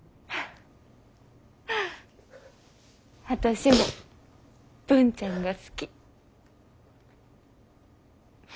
私も文ちゃんが好き。